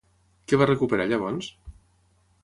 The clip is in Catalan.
Què va recuperar llavors?